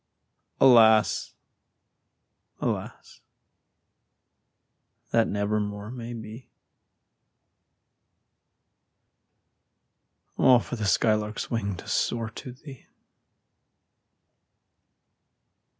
Alas, alas! that never more may be. Oh, for the sky lark's wing to soar to thee!